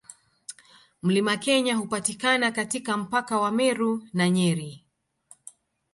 Mlima Kenya hupatikana katika mpaka wa Meru na Nyeri.